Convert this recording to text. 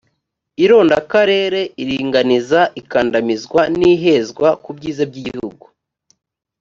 irondakarere iringaniza ikandamizwa n ihezwa ku byiza by igihugu